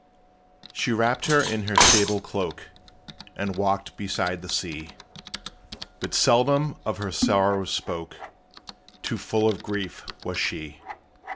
She wrapped her in her sable cloak, And walked beside the sea; But seldom of her sorrow spoke, Too full of grief was she!